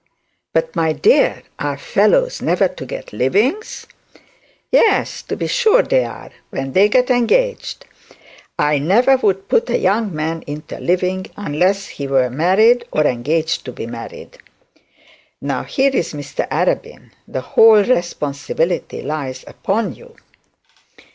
'But, my dear, are fellows never to get livings?' 'Yes, to be sure they are, when they got engaged. I never would put a young man into a living unless he were married, or engaged to be married. Now here is Mr Arabin. The whole responsibility lies upon you.'